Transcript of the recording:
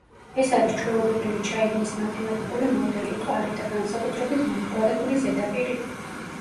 ეს არის ჩვეულებრივი ჩაიდნის მათემატიკური მოდელი, მყარი და განსაკუთრებით მომრგვალებული ზედაპირით.